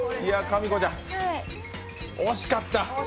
みこちゃん、惜しかった。